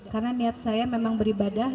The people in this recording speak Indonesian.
karena niat saya memang beribadah